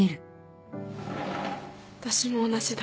私も同じだ。